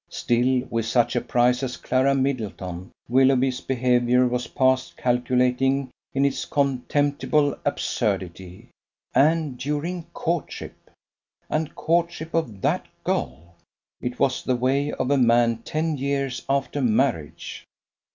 Still, with such a prize as Clara Middleton, Willoughby's behaviour was past calculating in its contemptible absurdity. And during courtship! And courtship of that girl! It was the way of a man ten years after marriage.